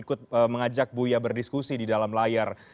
ikut mengajak buya berdiskusi di dalam layar